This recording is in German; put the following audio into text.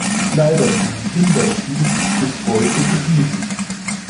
Leider sind die Unterschiede bis heute geblieben.